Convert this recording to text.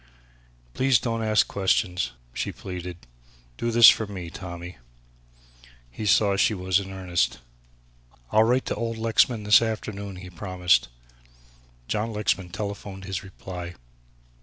"Please don't ask questions," she pleaded, "do this for me, Tommy." He saw she was in earnest. "I'll write to old Lexman this afternoon," he promised. John Lexman telephoned his reply.